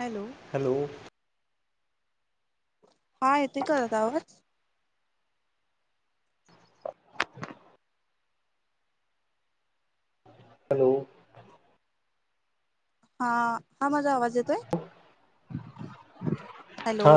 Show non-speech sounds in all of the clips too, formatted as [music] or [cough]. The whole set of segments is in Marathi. Hello hello. हा येते कळत आवाज. हॅलो. हा. हां माझा आवाज येतोय, हॅलो. हा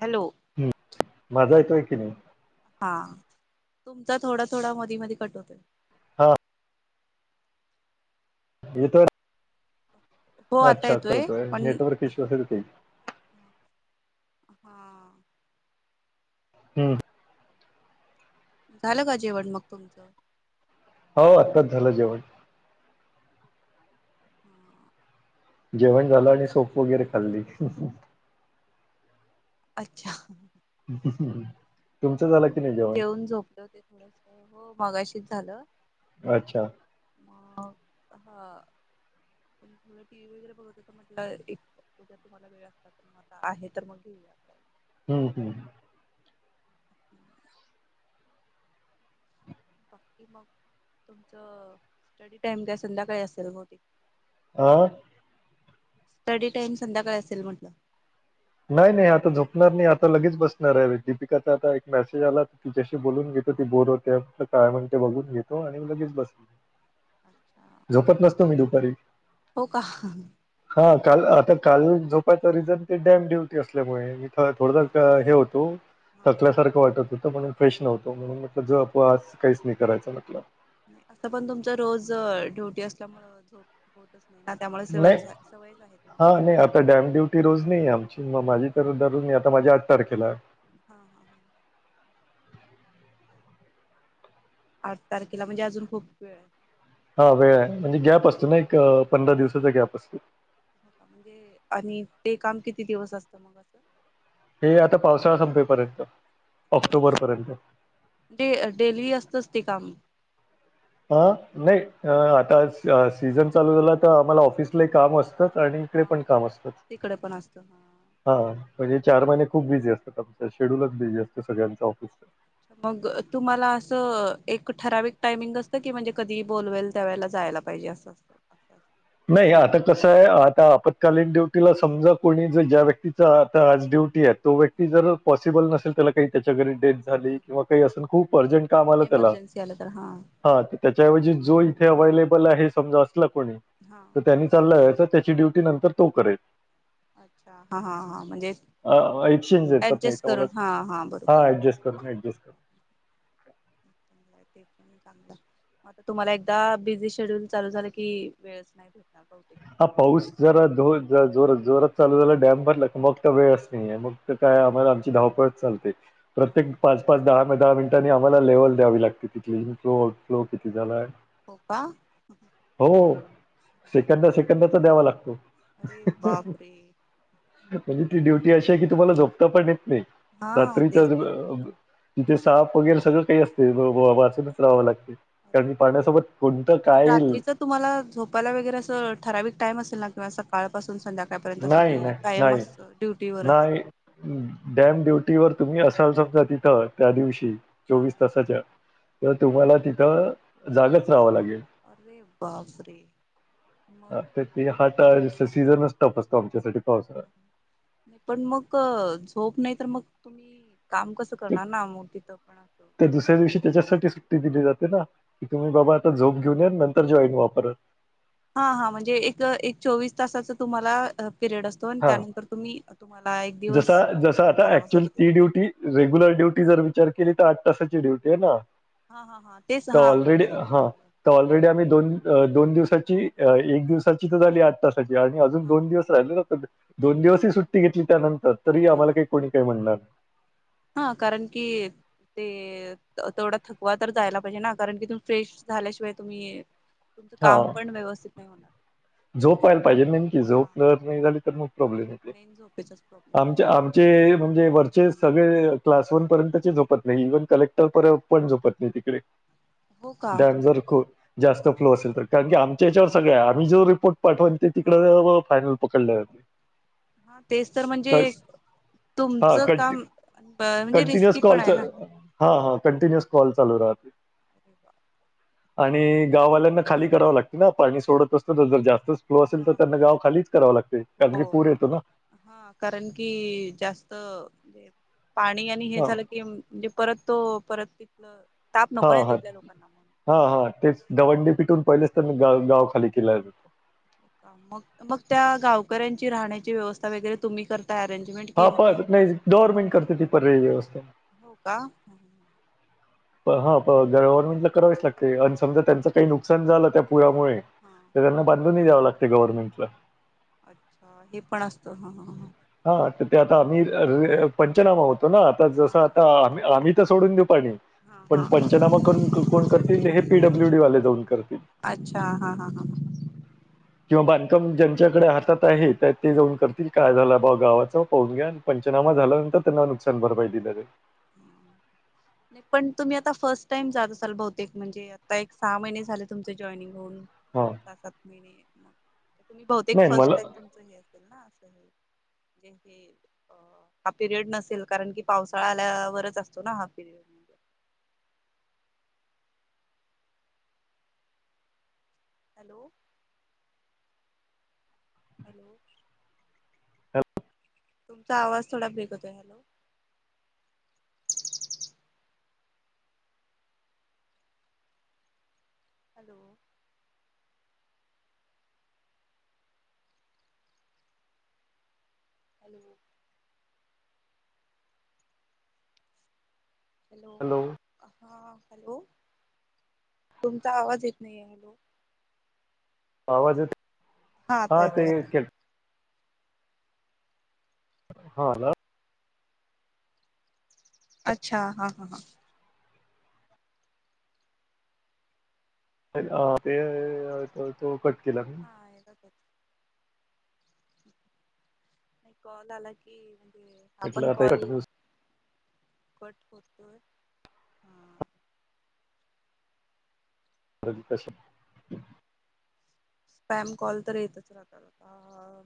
हॅलो. माजा येतोय की नाही. हा तुमचा थोडा थोडा मधी मधी कट होतोय. ह. हे तर हो आता अच्छा येतोय करतोय पण नेटवर्क इश्यू असेल ते. हा. हम्म. झालं का जेवण मग तुमचं. हो आत्ताच झालं जेवण. ह. जेवण झालं आणि सोप वगैरे खाल्ली. तुमच अच्छा. कस [unintelligible] मी पण जेऊन झोपले होते ते थोडस हो मगाशीच झालं. अच्छा. हां. टी व्ही वगैरे बघत होते म्हटलं उद्या तुम्हाला वेळ असतात तर मग आता आहे तर मग घेऊया असं. हम्म हम्म. ह् [inaudible] बाकी मग तुमचं स्टडी टाइम उद्या संध्याकाळी असेल बहुतेक. अ. स्टडी टाइम संध्याकाळ असेल म्हटलं. नाही नाही आता झोपणार नाही आता लगेच बसणारे दीपिकाचा आता एक मेसेज आला तुच्या्याशी बोलून घे ती बोर होते काय म्हणते बघून घेतो आणि लगेच बस अच्छा झोपत नसतो मी दुपारी. हो का? हा काल आता काल झोपायच रिझन ते डॅम ड्युटी असल्यामुळे. थोडंस हा हे होतो हा थकल्यासारखं वाटत होत म्हणून फ्रेश नव्हतो. म्हणून म्हटलं अच्छा झोपा आज काहीच नाही करायचं म्हटलं. असं पण तुमच रोज ड्युटी असल्यामु झोप होत अस नाही हा नाही आता डॅम ड्युटी रोज नाही आम माझी तर दररोज नाही आता माझी आठ तारखेला. हा हा हा आठ तारखेला म्हणजे अजून खूप वेळ आहे हा वेळ आहे म्हणजे गॅप असतो ना एक पंधरा दिवसाचा गॅप असतो हो का म्हणजे आणि ते काम किती दिवस असतं मग असं हे आता पावसाळा संपेपर्यंत हो का ऑक्टोबरपर्यंत. डे डेली असतच ते काम ह नाही आता सीझन चालू झाला तर आम्हाला ऑफिसला काम असत. आणि इकडे हा पण काम असतात तिकडे पण असतं हा म्हणजे चार महिने खूप बिझी असतात आमं शेड्यलच बिझी असत सगळ्यांं ऑफिस मग तुम्हाला असं एक ठराविक टायमिंग असतं की म्हणजे कधी बोलवेल त्यावेळेला जा जायला पाहिजे अस नाही आता कसं आहे आता आपत्कालीन ड्युटीला समजा कोणी जर ज्या व्यक्तीचा आता आज ड्युटी तो व्यक्ती जर पॉसिबल नसेल त्याला काही त्याच्या घरी डेथ झाली किंवा काही अस खूप अर्जंट काम आला त्याला एमर्जन्सी आलं तर हा हा त्याच्याऐवजी जो इथे अवेलेबल हे समजा अस कोणी हा तर हा त्यांनी चालला वच त्याची ड्युटी नंतर तो करेल. हा हा तेच की एक्सचेंज देतात नाही तर मगच हा ऍडजस्ट करून ऍडजस्ट करून चांगला आहे तुम्हाला एकदा बिझी शेडूल चालू झालं की हा पाऊस जरा जोात जोरात चालू झाला डॅम पटला मग तर वेळच नाहीये मग काय आम्हाला आमची धावपळच चालते हा प्रत्येक पाच पाच दहा ग दहा मिनटांनी आम्हाला लेवल द्यावी लागते तिथली फ्लो फ्लो किती झालाय. हो का सेकंद सेकंदाचा द्यावा लागतो. अरे बाप रे म्हणे ती मग ड्युटी अशी आहे की तुम्हाला झोपता पण य नाही हा रात्रीच्या तेच तर तिथे साप वगैरे सगळं काही असते वाचतच राहावं लागते. अरे कारण की पाण्यासोबत नाही कोणतं पण काय येईल रात्रीच तुम्हाला झोपायला वगैरे अस ठराविक टाईम असेल ना किंवा सकाळपून संध्याकाळ नाही नाही नाही ड्युटीवरच नाही डॅम ड्युटीवरर तुम्ही अस तिथं त्या दिवशी हा चोवीस तासाच्या तर तुम्हाला तिथं जागच राहावं लागेल. अरे बापरे मग ते हा सीझनच टप असतो आमच्यासाठी पावसाळा नाही पण मग झोप नाही तर मग तुम्ही काम कसं ते- करणार नाम तिथं पण अस त्या दुसऱ्या दिवशी त्याच्यासाठी सुट्टी दिली जाते ना की तुम्ही बाबा आता झोप घेऊन या नंतर जॉईन व्हा परत. हा हा म्हणजे एक एक चोवीस तासाच तुम्हाला पिरियड असतो आणि हा त्यानंतर तुम्ही तुम्हाला एक दिवस जसा जसा आता आराम ऍक्च्युअल करायचा. ती ड्युटी रेग्युलर ड्युटी जर विचार केली तर आठ तासाची डुटी आहे ना हा हा हा तेच तर हा ऑलरेडी तेच हा विचारलं ऑलरेडी आम्ही दोन दोन दिवस एक दिवसाची झाली आठ ताची अजून हा दोन दिवस राहिल ना. तर दोन दिवसही सुट्टी घेतली त्यानंतर तरी आम्हाला हा काही कोणी काही म्हणणार नाही. हा कारण की ते तेवढा थकवा तर जायला पाहिजे ना कारण कि तुम्ही फ्रेश झाल्याशिवाय तुम्ही तुमचं काम पण व्यवस्थित नाही हो झोपायला पाहिजे नेमकी झोपलं नाही हा झाली तर मक प्रॉब्लेम येते. मेन झोपेचाच प्रॉब्लेम आहे आमचे आमचे म्हणजे वरचे सगळे क्लास वन पर्यंतची झोपत नाही इव्हन कलेक्टर पण झोपत नाही तिकडे हो का डॅम जर खू जास्त फ्लो असेल तर कारण की आमच्या याच्यावर सगळे आम्ही जर रिपोर्ट पाठवण ते हा तिकडे फायनल पकडले जाते. हा तेच तर म्हणजे हा तुमचं कं काम म्हणजे कंटिन्युअस रिस्की पण कॉल आहे ना हा हा कंटिन्यू कॉल चालू राहते आणि गाववाल्यांना खाली कराव लागते ना पाणी सोडत अस तरर जास्त ो असेल तर हा त्यांना गाव खालीच करावं लागते कारण की हो पूर येतो ना हा कारण की जास्तणे पाणी आणि हे हा झालं की म्हणजे परत तो परत तिथलं ताप हा नको ना हा तिथल्या लोकांना मग हा हा तेच दवंडी पिटून पहिले गाव गाव खाली केला ्यस्था वगरे तु्ही कर हा प नाही गवर्नमेंट करते ती प र व्यवस्था हो का हा प गव्हर्नमेंट ला करावीच लागते आणि समज त्यांच काही नुकसान ण झालं त्या हा पुळमुळे हा तर त्यांना बांधूनही द्यावं लागते गव्हर्नमेंट अच्छा हे पण असतं ह ह हा तर ते आता आम्ही पंचनामा होतो ना आता जस हा आता आम्ही आम्ही तर सोडून देऊ प हा हा पण हा पंचनामा करून कोण करतील हे पीडब्ल्यूडी वाले जाऊन करतील अच्ा हा हा हा किंवा बांधकाम ज्यांच्याकडे हातात आहे ते हा जाऊन करतील काय झाला ब गावाचं पाहून घ्या आणि पंचनामा झाल्यानंतर त्यांना नुकसान भरपाई दिलं रे हा पण तुम्ही आता फर्स्ट टाइम जात असाल बहुतेक म्हणजे आता एक सहा महिने झाले तुमचे जॉईनिंग दोन हां, सहा सात महिने मग तुम्ही बहुतेक नाही फर्स्ट मला टाइम तुमचं हे ना अस े हा पिरियड नसेल कारण की पावसाळा आल्यावरच असतो ना हा त हॅलो हॅलो तुमचा आवाज थोडा बेगतोय हॅलो हॅलो अल हॅलो हा हॅलो तुमचा आवाज येत नाही आहे हॅलो आवाजच हा आतायतय आ हा ह अच्छा हा हा हा ते तो कट केला मी हा येतातच नाही कॉल आला की म्हणजे आपण म्हटलं आता कॉल कंटिन्यू कट कुत हा अ कश स्पॅम कॉल तर येतच राहतता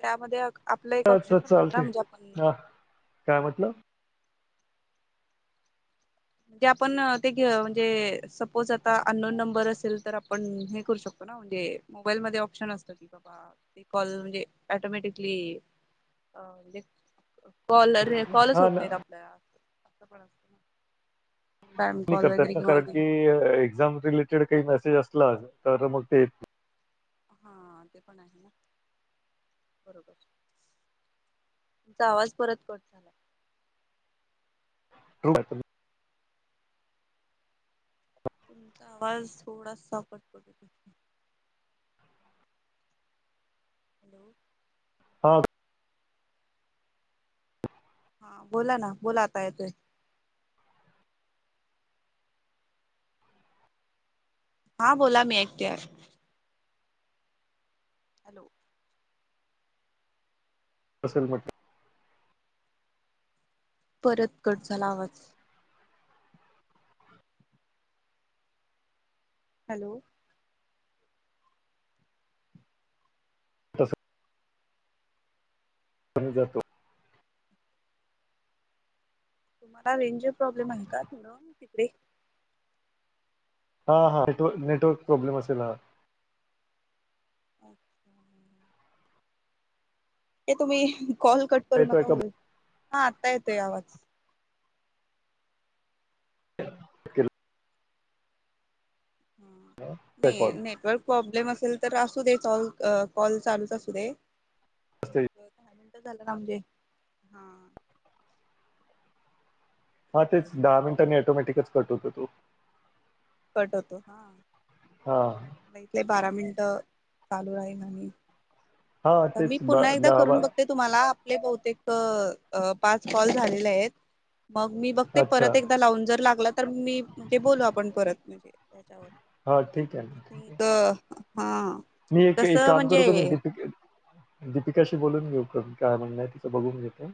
त्यामध्ये आपला एक हां, ऑप्शन तर पण असत ना चालते. म्हणजे आपण हां, काय म्हटलं? म्हणजे आपण ते घे म्हणजे सपोज आता अननोन नंबर असेल तर आपण हे करू शकतो म्हणजे मोबाईल म ऑप्शन असत की बाबा ते कॉल म्हणजे टोमॅटिकली अे कॉलर हे कॉलच हां होत ना. नाहीत आपल्या असं पण असत करताात ना कारण की एक्झाम रिलेटेड काही म अस तर मग ते येत हा ते पण आहे ना बरोबर तुमचा आवाज परत कट झाला [unintelligible] तुमचा आवाज थोडा सापट पडत तथे हॅलो हा हा बोला ना बोला आता येतोय. हा बोला मी ऐकते आहे. हॅलो बसेल म्हट परत कट झाला आवाज. हॅलो तसं म्ह जातो. तुम्हाला रेंजर प्रॉब्लेम आहे का? थोडं तिकडे. हा हा नेटव नेटवर्क प्रॉब्लेम असेल हा. अच्छा. ते तुम्ही कॉल कट करू येतो नका एका होई हा आता येतोय आवाज. [unintelligible] ह नाही कॉल नेटवर्क प्रॉब्लेम असेल तर असू दे चॉल कॉल चालूच असू दे. एक असते दहा मिनटं झालं ना म्हणजे हा. हा तेच दहा मिनिटांनी ऑटोमॅटिकच कट होतो तो. कट होतो हा हा इथले बारा मिन ट चालू राहील आणि हा मी तेच बा- पुन्हा एकदा दहा करून बारा बघते तुम्हाला आपले बहुतेक पाच फॉल झालेले आहेत. मग मी बघते अच्छा परत एकदा लावून जर लागला तर मी म्हणजे बोलू आपण परत म्हणजे त्याच्यावर. हो ठीक आहे ना आय ठीक हे. थिंक हा मी एक एक कसं काम करू क मी. म्हणजे दीपिकाशी बोलून घेऊ काय म्हणय तिचं बघून घेते.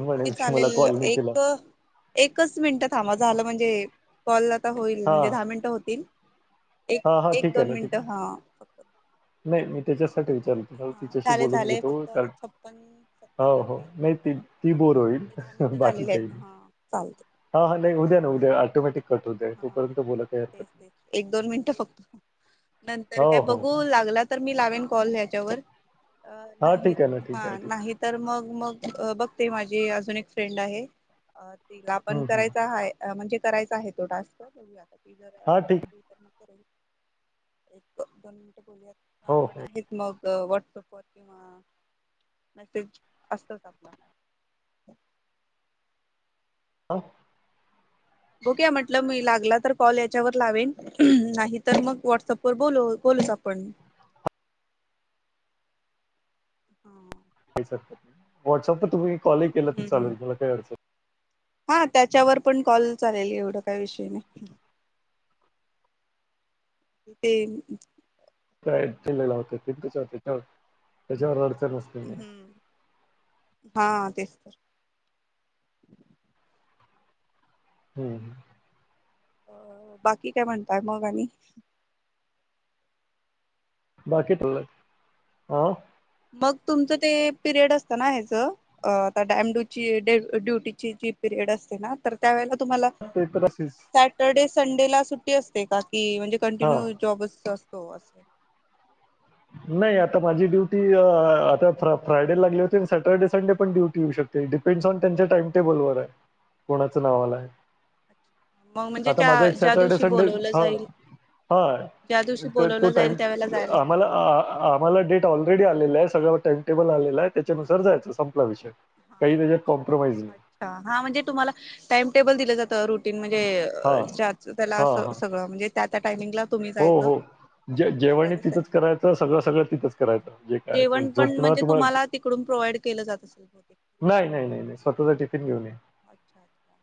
ओके चालेल एक एकच मिनिट थांबा झालं म्हणजे कॉल आता होईल हा म्हणजे दहा मिनिटं होतील. एक हा हा एक ठीक आहे दोन ना ठीक मिनिटं हा फक्त आहे नाही मी त्याच्यासाठी विचा ल तुला हा तिच्याशी झाले बोलून झाले घेतो फक्त कार आता छप्पन हो सत्तावन्न हो अठ्ठावन्न नाही त एकोणसाठ ती बोर होईल. ते दहा मिनटं बाकी झालेले आहेत काही नाही ह चालतं. हा हा नाही उद्या ना उद्या ऑटोमॅटिक कट होद्या तोपर्यंत बोलाय काही हरकत नाही. दो मिनटं फक्त नंतर काय हो हो बघू लागला तर मी लावेन कॉल ह्याच्यावर. अ हा नाही ठीक आहे ना ठीक हा आहे ठीक नाही तर मग मग बघते माझी अजून एक फ्रेंड आहे तिला आहे पण हम्म, हम्म. करायचा हाय. म्हणजे करायचा आहे तो टास्क बघूया ती जर हा असली ठीक तर. एक दोन मिनिटं बोलूयात आहे हो आपण हो आहेत मग. व्हॉट्सअपवर किंवा मेसेज असतच आपला. हं. बघुया म्हटलं मी लागला तर कॉल याच्यावर लावेन नाही तर मग व्हॉट्सअँपवर बोलु च आपण. हा. व्हॉट्सअप तुम्ही कॉलही केला तर चालेल मला काही अडचण हा त्याच्यावर पण कॉल चालेल एवढं काय विषय नाही. ते कालेला होत त्यावर त्याच्यावर अड हम्म हा तेच तर. हम्म. अ बाकी काय म्हणताय मग आणि? बाकी त हा. मग तुमचं ते पिरियड असतं ना ह्याचं आता डॅमडची ड्युटीची जी पिरियड. असतए ना, तर त्यावेळेला तुम्हाला ते तर असेच स्याटरडे संडे ला सुट्टी असते का? कि म्हणजे हा कंटिन्यू जॉबच असतो अस- नाही आता माझी ड्युटी आता फ्रायडे लागली होती आणि सॅटर्डे संडे पण ड्युटी येऊ शकते. डिपेंडस ऑन त्यांच्या टाइम टेबल वर आहे. कोणाच नाव आलंय. मग म्हणजे आता माझा ज्या एक ज्या सॅटरडे दिवशी संडे, बोलवलं हा. जाईल ह ज्या दिवशी तर तो बोलवलं टाईम जाईल त्यावेळेला जायलाच आम्हाला- लागतं आम्हाला डेट ऑलरेडी आलेला आहे. सगळं टाइम टेबल आलेल आहे. त्याच्यानुसार जायच संपला विषय. काही हा. त्याच्यात कॉम्प्रोमाइज नाही अच्छा हा, म्हणजे तुम्हाला टाइम टेबल दिलं जात- रुटीन हा म्हणजे- त्याला अस हा हा सगळं म्हणजे, त्या त्या टायमिंगला तुम्ही हो जायचं. हो जे जेवण दुसऱ्या तिथंच करायचं सगळं सगळं तिथंच करायचं. जे काय ते जेवण पण झोपणं म्हणजे तुम्हाला- तिकडून प्रोव्हाइड केलं जात असेल बहुतेक. नाही नाही नाही नाही स्वतःचा टिफिन- घेऊन या अच्छा अच्छा.